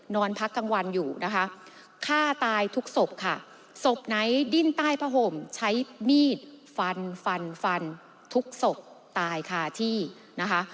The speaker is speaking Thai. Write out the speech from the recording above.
นอนพักกลางวันอยู่นะคะฆ่าตายทุกศพค่ะศพไหนดิ้นใต้ผ้าห่มใช้มีดฟันฟันฟันทุกศพตายคาที่นะคะ